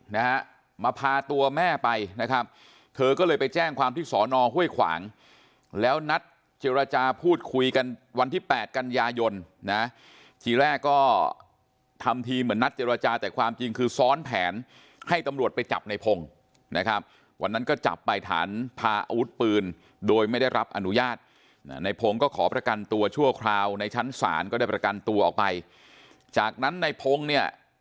เหมือนปรชนฮวยขวางแล้วนัดเจรจาพูดคุยกันวันที่๘กัญญายนนะที่แรกก็ทำทีเหมือนนัดเจรจาแต่ความจริงคือซ้อนแผนให้ตำรวจไปจับในพงศ์นะครับวันนั้นจับไปถันพาอาวุธปืนโดยไม่ได้รับอนุญาตในพงศ์ก็ขอประกันตัวชั่วคราวในชั้นศาลก็ได้